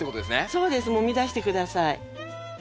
そうですもみ出して下さい。